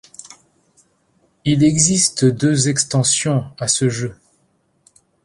Il existe deux extensions à ce jeu.